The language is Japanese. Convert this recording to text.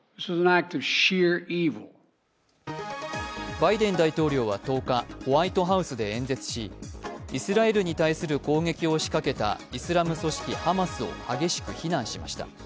バイデン大統領は１０日ホワイトハウスで演説しイスラエルに対する攻撃を仕掛けたイスラム組織ハマスを激しく非難しました。